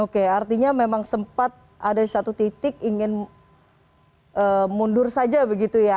oke artinya memang sempat ada di satu titik ingin mundur saja begitu ya